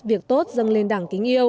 việc tốt dân lĩnh